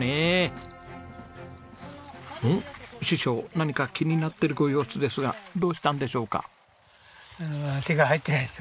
師匠何か気になってるご様子ですがどうしたんでしょうか？